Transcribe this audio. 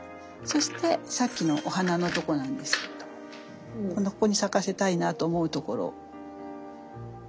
そしてさっきのお花のとこなんですけれどもここに咲かせたいなと思うところ。